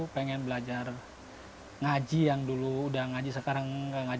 pengen belajar ngaji yang dulu udah ngaji sekarang